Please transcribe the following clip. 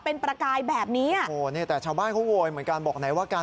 เป็นมักกลางแบบเนี้ยโหว้เนี้ยแต่ชาวบ้านเขาโวยเหมือนการบอกไหนว่าการ